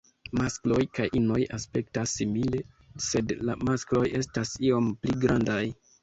Maskloj kaj inoj aspektas simile, sed la maskloj estas iom pli grandaj.